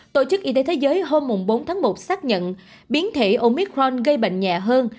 tổ chức y tế thế giới hôm bốn tháng một xác nhận biến thể omicron gây bệnh nhẹ hơn